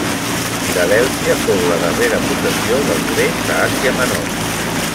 Filadèlfia fou la darrera possessió dels grecs a Àsia Menor.